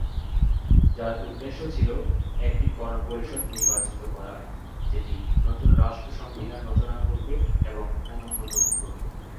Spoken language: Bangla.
যার উদ্দেশ্য ছিল, একটি গণপরিষদ নির্বাচিত করা, যেটি নতুন রাষ্ট্র সংবিধান রচনা করবে এবং অনুমোদন করবে।